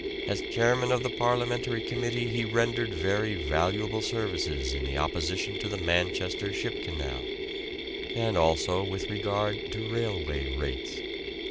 As chairman of the Parliamentary Committee he rendered very valuable services in the opposition to the Manchester Ship Canal, and also with regard to railway rates.